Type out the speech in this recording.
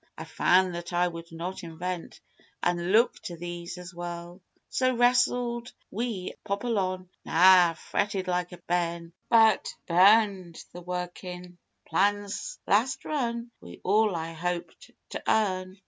I found that I could not invent an' look to these as well. So, wrestled wi' Apollyon Nah! fretted like a bairn But burned the workin' plans last run wi' all I hoped to earn.